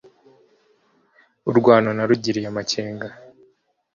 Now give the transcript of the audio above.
Urwano narugiriye amakenga